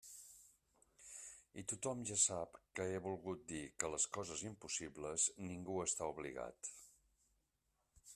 I tothom ja sap que he volgut dir que a les coses impossibles ningú està obligat.